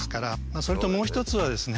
それともう一つはですね